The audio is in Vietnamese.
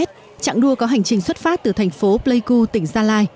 trạng đua có hành trình xuất phát từ thành phố pleiku tỉnh gia lai